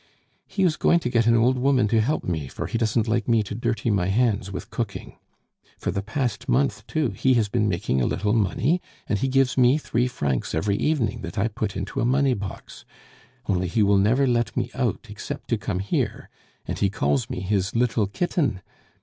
He is going to get an old woman to help me, for he doesn't like me to dirty my hands with cooking. For the past month, too, he has been making a little money, and he gives me three francs every evening that I put into a money box. Only he will never let me out except to come here and he calls me his little kitten!